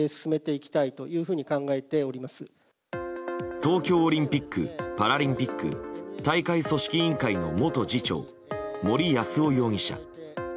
東京オリンピック・パラリンピック大会組織委員会の元次長、森泰夫容疑者。